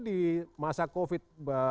di masa covid